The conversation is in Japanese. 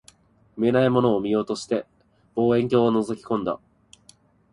見えないものを見ようとして、望遠鏡を覗き込んだ